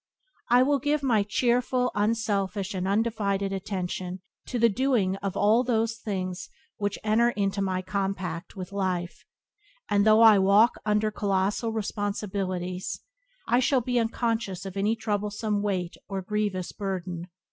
I will give my cheerful, unselfish, and undivided attention to the doing of all those things which enter into my compact with life, and, though I walk under colossal responsibilities, I shall be unconscious of any troublesome weight or grievous burden.